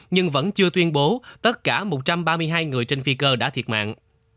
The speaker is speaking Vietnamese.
nhưng vẫn chưa tuyên bố tất cả một trăm ba mươi hai người trên phi cơ đã thiệt mạng